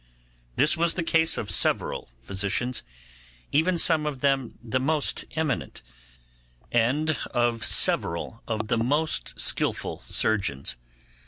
This was the case of several physicians, even some of them the most eminent, and of several of the most skilful surgeons.